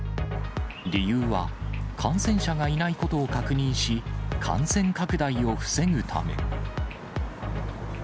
理由は、感染者がいないことを確認し、感染拡大を防ぐため。